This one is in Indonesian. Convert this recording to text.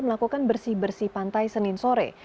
melakukan bersih bersih pantai senin sore